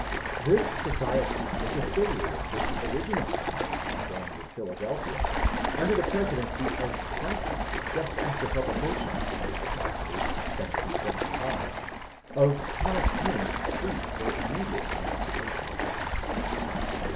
This society was afiUiated with the original society formed in Philadelphia under the presidency of Franklin just after publication, March 8, 1775, of Thomas Paine's plea for immediate emancipation.